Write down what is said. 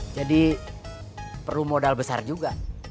jadi perlu modal besar juga